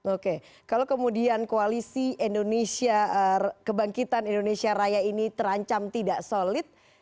oke kalau kemudian koalisi kebangkitan indonesia raya ini terancam tidak solid